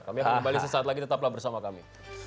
kami akan kembali sesaat lagi tetaplah bersama kami